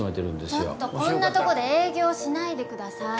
ちょっとこんなとこで営業しないでください